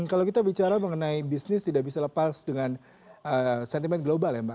kalau kita bicara mengenai bisnis tidak bisa lepas dengan sentimen global ya mbak